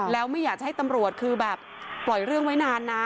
แล้วไม่อยากจะให้ตำรวจคือแบบปล่อยเรื่องไว้นานนะ